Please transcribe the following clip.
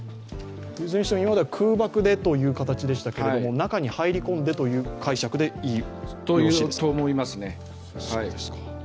いずれにしても、今までは空爆でという形でしたけど、中には入り込んでという解釈でよろしいですか。と思いますね。